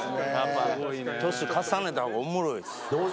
年重ねたほうがおもろいです。